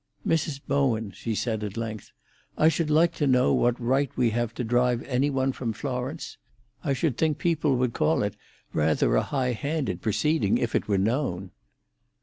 "Mrs. Bowen," she said, at length, "I should like to know what right we have to drive any one from Florence? I should think people would call it rather a high handed proceeding if it were known."